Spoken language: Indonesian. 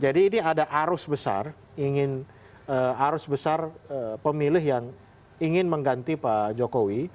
jadi ini ada arus besar arus besar pemilih yang ingin mengganti pak jokowi